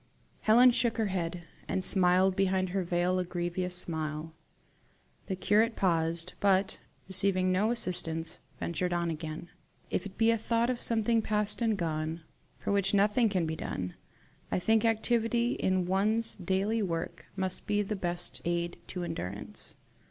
Helen shook her head, and smiled behind her veil a grievous smile. The curate paused, but, receiving no assistance, ventured on again. "If it be a thought of something past and gone, for which nothing can be done, I think activity in one's daily work must be the best aid to endurance."